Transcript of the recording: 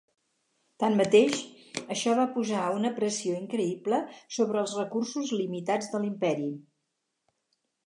Tanmateix, això va posar una pressió increïble sobre els recursos limitats de l'Imperi.